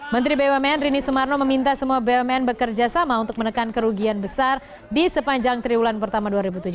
menteri bumn rini sumarno meminta semua bumn bekerja sama untuk menekan kerugian besar di sepanjang triwulan pertama dua ribu tujuh belas